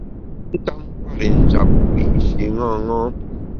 I ntap nkwer i njap wiyi’shi ṅaṅâ.